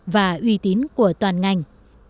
và uy tín của toàn ngành